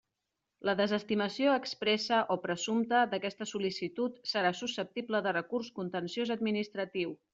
La desestimació expressa o presumpta d'aquesta sol·licitud serà susceptible de recurs contenciós administratiu.